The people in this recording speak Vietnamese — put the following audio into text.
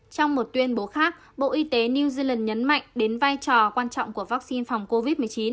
trong một tuyên bố khác bộ y tế new zealand nhấn mạnh đến vai trò quan trọng của vaccine phòng covid một mươi chín